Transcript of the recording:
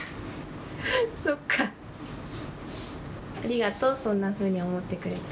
そうか、ありがとうそんなふうに思ってくれて。